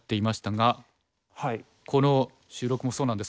はい。